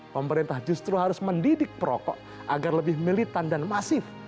pemerintah justru harus mendidik perokok agar lebih militan dan masif